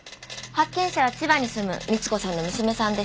発見者は千葉に住むみつ子さんの娘さんでした。